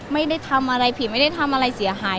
ไม่ได้ทำอะไรผิดไม่ได้ทำอะไรเสียหาย